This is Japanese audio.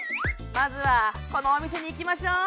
まずはこのお店に行きましょう。